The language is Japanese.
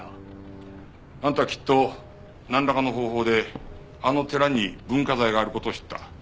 あんたきっとなんらかの方法であの寺に文化財がある事を知った。